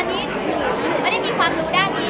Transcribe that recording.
อันนี้หรือมันไม่มีความรู้ด้านนี้